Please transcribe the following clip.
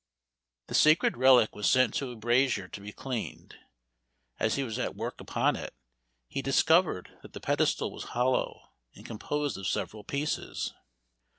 The sacred relic was sent to a brazier to be cleaned. As he was at work upon it, he discovered that the pedestal was hollow and composed of several pieces.